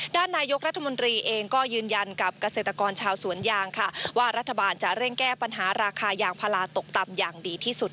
ด้านนายกรัฐมนตรีเองก็ยืนยันกับเกษตรกรชาวสวนยางค่ะว่ารัฐบาลจะเร่งแก้ปัญหาราคายางพาราตกต่ำอย่างดีที่สุด